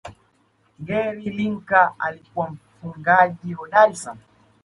gary lineker alikuwa mfungaji hodari sana